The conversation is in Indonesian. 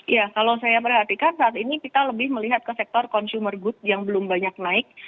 ya kalau saya perhatikan saat ini kita lebih melihat ke sektor consumer good yang belum banyak naik